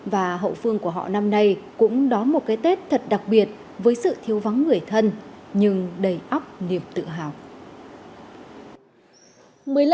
và hậu phương của họ năm nay cũng đó một cái tết thật đặc biệt với sự thiếu vắng người thân nhưng đầy óc niềm tự hào